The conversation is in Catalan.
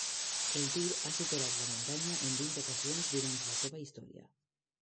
El Tour ha superat la muntanya en vint ocasions durant la seva història.